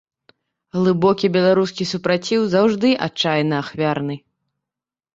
Глыбокі беларускі супраціў заўжды адчайна ахвярны.